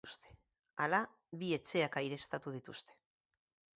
Hala, bi etxeak aireztatu dituzte.